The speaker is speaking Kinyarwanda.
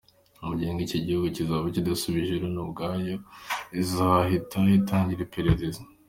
Mu gihe ngo icyo gihugu kizaba kidasubije, Loni ubwayo izahita itangira iperereza.